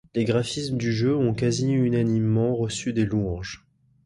Les graphismes du jeu ont quasi-unanimement reçu des louanges.